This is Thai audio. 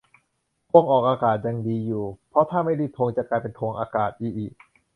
ทวงออกอากาศ ยังดีอยู่ เพราะถ้าไม่รีบทวง จะกลายเป็น ทวงอากาศ อิอิ